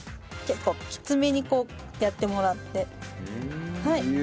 結構きつめにこうやってもらって。